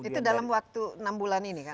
itu dalam waktu enam bulan ini kan